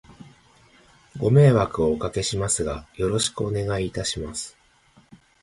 ご迷惑をお掛けしますが、よろしくお願いいたします。